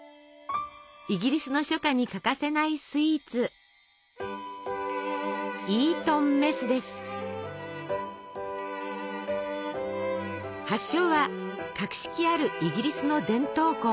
イギリスの初夏に欠かせないスイーツ発祥は格式あるイギリスの伝統校。